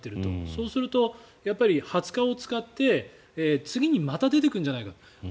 そうすると、やっぱり２０日を使って次にまた出てくるんじゃないか。